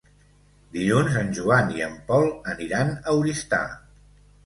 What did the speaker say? Dilluns en Joan i en Pol aniran a Oristà.